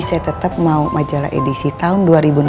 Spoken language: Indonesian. saya tetap mau majalah edisi tahun dua ribu enam belas